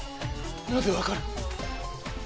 なぜわかる？